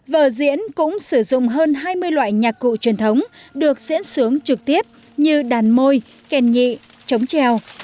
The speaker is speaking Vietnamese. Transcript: vở diễn cũng sử dụng hơn hai mươi loại nhạc cụ truyền thống được diễn sướng trực tiếp như đàn môi kèn nhị chống trèo